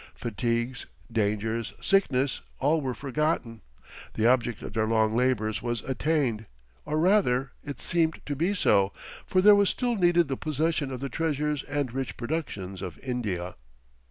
Fatigues, dangers, sickness, all were forgotten. The object of their long labours was attained! Or rather, it seemed to be so, for there was still needed the possession of the treasures and rich productions of India.